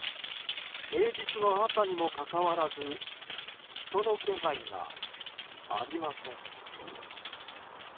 平日の朝にもかかわらず人の気配がありません。